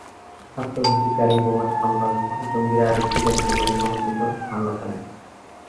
আত্মঘাতী গাড়ি বোমা হামলার পর জঙ্গিরা আরেকটি গাড়িতে করে সমন্বিত হামলা চালায়।